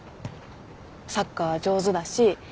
サッカー上手だし